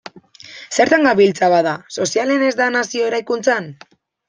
Zertan gabiltza, bada, sozialean ez eta nazio eraikuntzan?